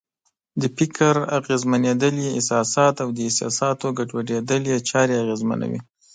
د فکر اغېزمنېدل یې احساسات او د احساساتو ګډوډېدل یې چارې اغېزمنوي.